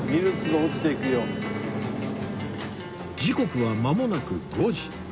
時刻はまもなく５時